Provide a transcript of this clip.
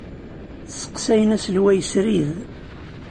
Sseqsayen aselway srid.